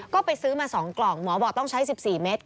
ก็ไปซื้อมา๒กล่องหมอบอกต้องใช้๑๔เมตร